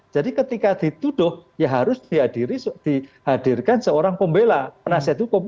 jadi ketika dituduh ya harus dihadirkan seorang pembela penasihat hukum